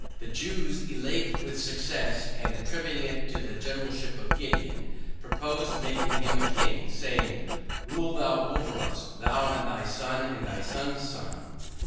The Jews elate with success, and attributing it to the generalship of Gideon, proposed making him a king, saying, RULE THOU OVER US, THOU AND THY SON AND THY SON'S SON.